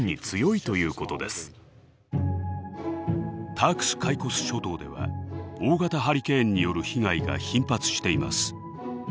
タークス・カイコス諸島では大型ハリケーンによる被害が頻発しています。